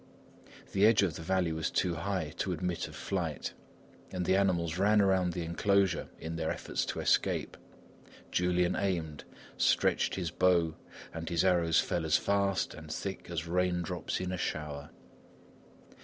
The edge of the valley was too high to admit of flight; and the animals ran around the enclosure in their efforts to escape. Julian aimed, stretched his bow and his arrows fell as fast and thick as raindrops in a shower.